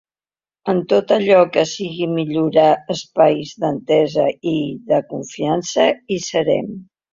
En tot allò que sigui millorar espais d’entesa i de confiança, hi serem.